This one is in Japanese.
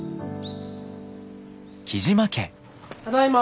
ただいま。